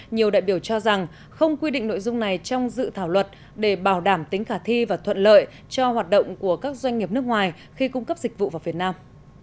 nhiều đại biểu cho rằng không quy định nội dung này trong dự thảo luật để bảo đảm tính khả thi và thuận lợi cho hoạt động của các doanh nghiệp nước ngoài khi cung cấp dịch vụ vào việt nam